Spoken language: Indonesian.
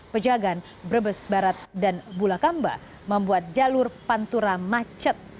pejagan brebes barat dan bulakamba membuat jalur pantura macet